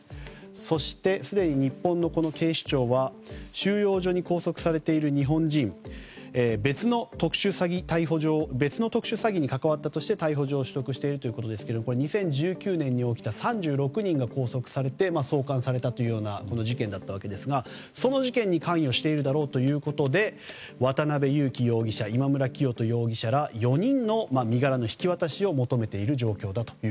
そして、すでに日本の警視庁は収容所に拘束されている日本人別の特殊詐欺に関わったとして逮捕状を取得しているということですが２０１９年に起きた３６人が拘束されて送還されたという事件だったわけですがその事件に関与しているだろうということで渡邉優樹容疑者今村磨人容疑者ら４人の身柄の引き渡しを求めている状況だと。